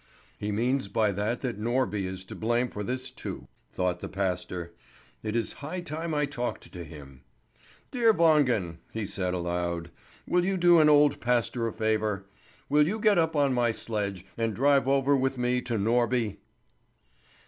"He means by that that Norby is to blame for this too," thought the pastor. "It is high time I talked to him. Dear Wangen," he said aloud, "will you do an old pastor a favour? Will you get up on my sledge, and drive over with me to Norby?"